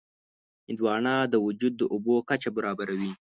هندوانه د وجود د اوبو کچه برابروي.